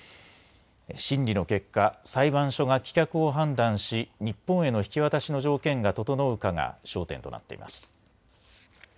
審理の結果、裁判所が棄却を判断し日本への引き渡しの条件が整うかが焦点となっています。